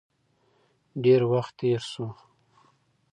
ډیر وخت تیر شو.